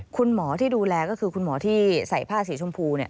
คุณหมอที่ดูแลก็คือคุณหมอที่ใส่ผ้าสีชมพู